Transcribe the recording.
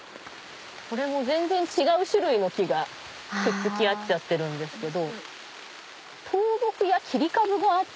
これも全然違う種類の木がくっつき合っちゃってるんですけど。